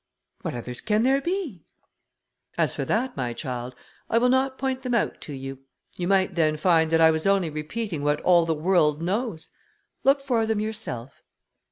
"What others can there be?" "As for that, my child, I will not point them out to you. You might then find that I was only repeating what all the world knows. Look for them yourself."